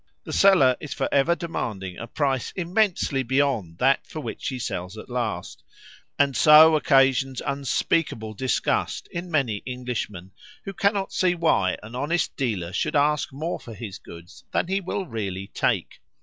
The seller is for ever demanding a price immensely beyond that for which he sells at last, and so occasions unspeakable disgust in many Englishmen, who cannot see why an honest dealer should ask more for his goods than he will really take!